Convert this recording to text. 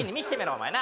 お前な。